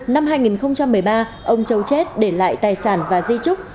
năm hai nghìn một mươi ba ông châu chết để lại tài sản và di trúc